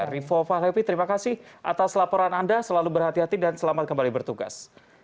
rivo fahlevi terima kasih atas laporan anda selalu berhati hati dan selamat kembali bertugas